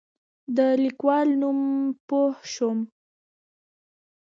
د لیکوال نوم پوه شوم.